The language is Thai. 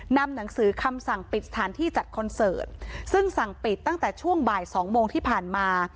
นำหนังสือคำสั่งปิดสถานที่จัดคอนเสิร์ตซึ่งสั่งปิดตั้งแต่ช่วงบ่ายสองโมงที่ผ่านมา